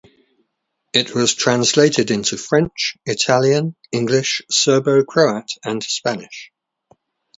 It was translated into French, Italian, English, Serbo-Croat, and Spanish.